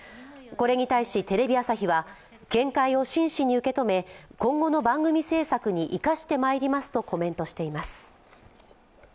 これに対し、テレビ朝日は見解を真摯に受け止め、今後の番組制作に生かしてまいりますとコメントしています。